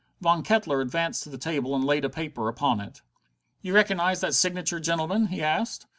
Von Kettler advanced to the table and laid a paper upon it. "You recognize that signature, gentlemen?" he asked.